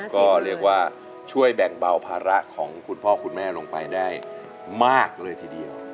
ก็เรียกว่าช่วยแบ่งเบาภาระของคุณพ่อคุณแม่ลงไปได้มากเลยทีเดียว